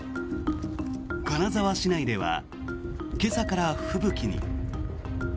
金沢市内では今朝から吹雪に。